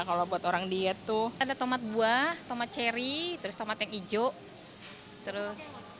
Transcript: kalau buat orang diet tuh ada tomat buah tomat cherry terus tomat yang hijau terus